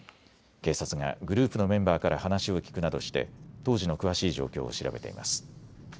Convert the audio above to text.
警察がグループのメンバーから話を聞くなどして当時の詳しい状況を調べています。